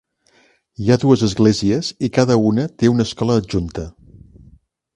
Hi ha dues esglésies i cada una té una escola adjunta.